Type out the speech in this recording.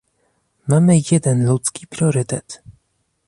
Mamy jeden ludzki priorytet